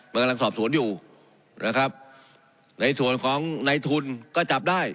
มันกำลังสอบสวนอยู่นะครับในส่วนของในทุนก็จับได้